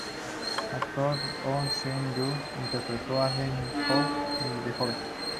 El actor Oh Seung-yoon interpretó a Hyeon-go de joven.